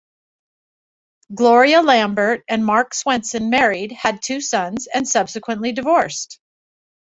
Gloria Lambert and Marc Swenson married, had two sons, and subsequently divorced.